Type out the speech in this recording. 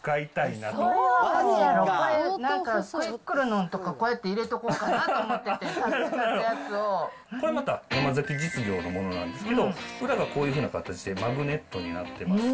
なんかクイックルのとかこういうふうに入れとこうかなと思っこれまた、山崎実業のものなんですけど、裏がこういうふうな形でマグネットになってます。